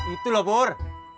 itu loh pur